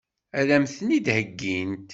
Ad m-ten-id-heggint?